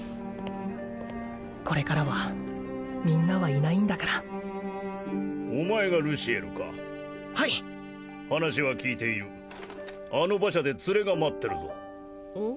これからはみんなはいないんだからお前がルシエルかはい話は聞いているあの馬車で連れが待ってるぞうん？